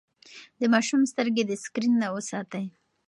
د ماشوم سترګې د سکرين نه وساتئ.